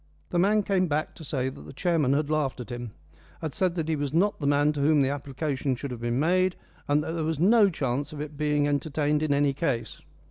The man came back to say that the chairman had laughed at him had said that he was not the man to whom the application should have been made, and that there was no chance of its being entertained in any case.